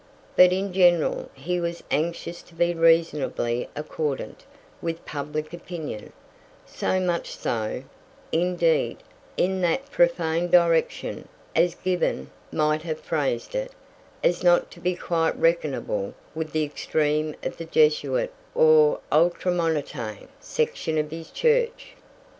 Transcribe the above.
But in general he was anxious to be reasonably accordant with public opinion so much so, indeed, in that "profane" direction (as Gibbon might have phrased it) as not to be quite reckonable with the extreme of the Jesuit or Ultramontane section of his church.